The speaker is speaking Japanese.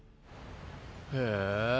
へえ。